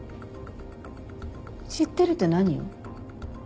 知ってるって何を？